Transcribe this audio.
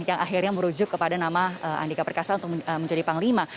yang akhirnya merujuk kepada nama andika perkasa untuk menjadi panglima